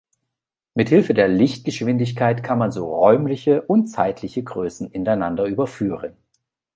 Mit Hilfe der Lichtgeschwindigkeit kann man so räumliche und zeitliche Größen ineinander überführen.